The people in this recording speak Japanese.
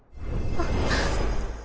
あっ。